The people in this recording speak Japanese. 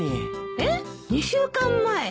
えっ２週間前？